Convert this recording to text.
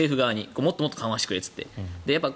もっと緩和してくれって。